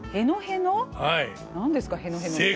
何ですか？へのへのって。